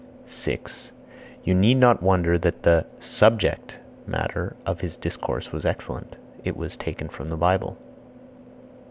6. You need not wonder that the (subject) matter of his discourse was excellent; it was taken from the Bible.